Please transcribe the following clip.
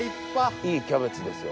いいキャベツですよ。